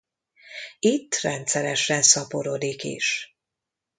Itt rendszeresen szaporodik is.